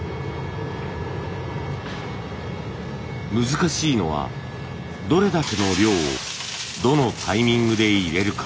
難しいのはどれだけの量をどのタイミングで入れるか。